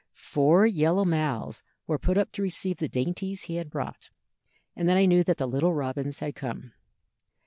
Four yellow mouths were put up to receive the dainties he had brought, and then I knew that the little robins had come.